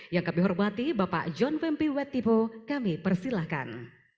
yang kami hormati bapak john fempy wetipo kami persilahkan